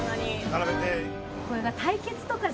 並べて。